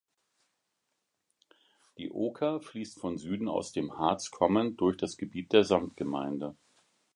Die Oker fließt von Süden aus dem Harz kommend durch das Gebiet der Samtgemeinde.